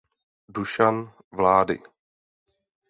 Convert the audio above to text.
Dušan vlády.